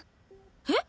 えっ？